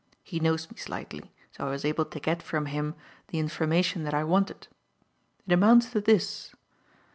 He knows me slightly so I was able to get from him the information that I wanted. It amounts to this.